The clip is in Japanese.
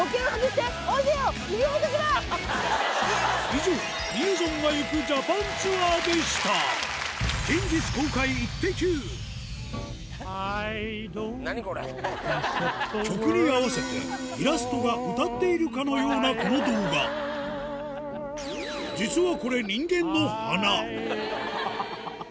以上みやぞんが行く曲に合わせてイラストが歌っているかのようなこの動画実はこれハハハハ！